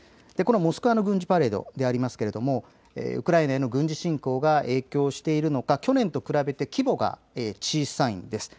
モスクワの軍事パレードでありますがウクライナでの軍事侵攻が影響しているのか去年と比べて規模が小さいんです。